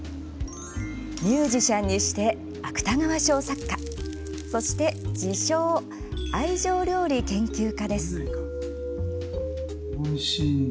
ミュージシャンにして芥川賞作家、そして自称、愛情料理研究家です。